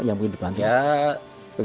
ya mungkin dibantu